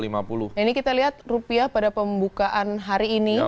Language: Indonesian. ini kita lihat rupiah pada pembukaan hari ini